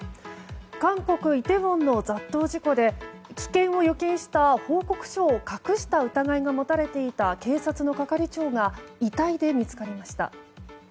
韓国イテウォンの雑踏事故で危険を予見した報告書を隠した疑いが持たれていた警察の係長が遺体で見つかりました。